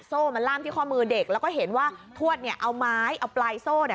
โซ่มันล่ามที่ข้อมือเด็กแล้วก็เห็นว่าทวดเนี่ยเอาไม้เอาปลายโซ่เนี่ย